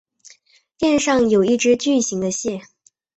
店上有一只巨型的蟹。